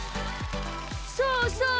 そうそう！